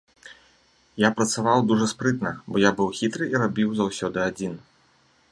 Я працаваў дужа спрытна, бо я быў хітры і рабіў заўсёды адзін.